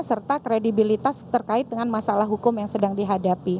serta kredibilitas terkait dengan masalah hukum yang sedang dihadapi